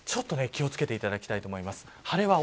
気を付けていただきたいと思います。